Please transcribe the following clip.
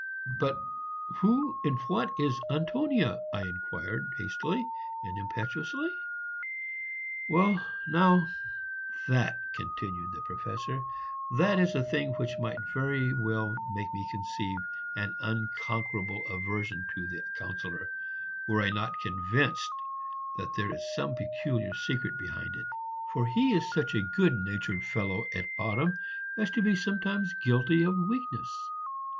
"But who and what is Antonia?" I inquired, hastily and impetuously. "Well, now, that," continued the Professor, "that is a thing which might very well make me conceive an unconquerable aversion to the Councillor, were I not convinced that there is some peculiar secret behind it, for he is such a good natured fellow at bottom as to be sometimes guilty of weakness.